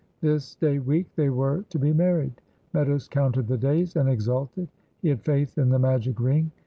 This day week they were to be married. Meadows counted the days and exulted; he had faith in the magic ring.